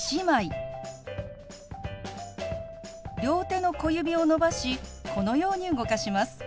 両手の小指を伸ばしこのように動かします。